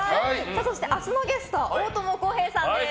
そして明日のゲスト大友康平さんです。